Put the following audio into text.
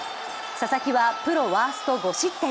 佐々木はプロワースト５失点。